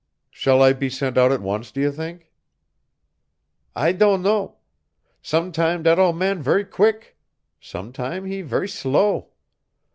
"Shall I be sent out at once, do you think?" "I don' know. Sometam' dat ole man ver' queek. Sometam' he ver' slow.